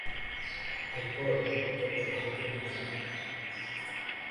এরপর রাহুল তাকে ভারতে নিয়ে যান।